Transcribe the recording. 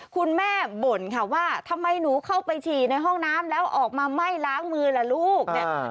คุณแม่บ่นค่ะว่าทำไมหนูเข้าไปฉี่ในห้องน้ำแล้วออกมาไม่ล้างมือล่ะลูกเนี่ย